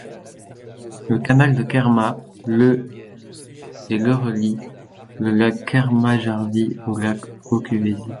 Le canal de Kerma, le et le relient le lac Kermajärvi au lac Haukivesi.